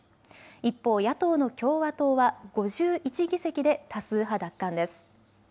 一方、野党の共和党は５１議席で多数派奪還です。